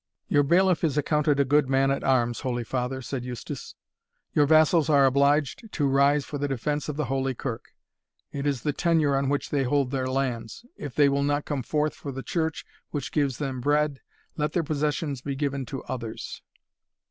"Your bailiff is accounted a good man at arms, holy father," said Eustace; "your vassals are obliged to rise for the defence of the Holy Kirk it is the tenure on which they hold their lands if they will not come forth for the Church which gives them bread, let their possessions be given to others."